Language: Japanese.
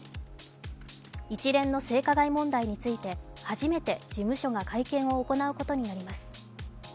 一連の性加害問題について、初めて事務所が会見を行うことになります。